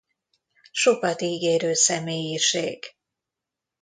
Sokat ígérő személyiség.